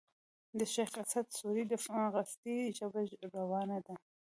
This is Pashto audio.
د شېخ اسعد سوري د قصيدې ژبه روانه ده.